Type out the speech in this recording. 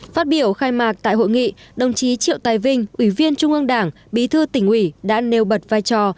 phát biểu khai mạc tại hội nghị đồng chí triệu tài vinh ủy viên trung ương đảng bí thư tỉnh ủy đã nêu bật vai trò